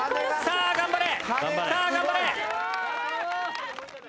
さあ頑張れ